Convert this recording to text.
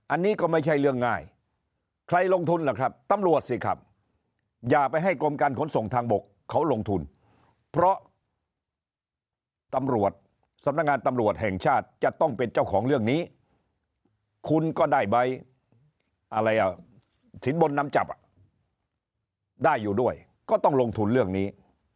อันนี้ก็ไม่ใช่เรื่องง่ายใครลงทุนล่ะครับตำรวจสิครับอย่าไปให้กรมการขนส่งทางบกเขาลงทุนเพราะตำรวจสำนักงานตำรวจแห่งชาติจะต้องเป็นเจ้าของเรื่องนี้คุณก็ได้ใบอะไรอ่ะสินบนน้ำจับได้อยู่ด้วยก็ต้องลงทุนเรื่องนี้